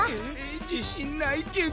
じしんないけど。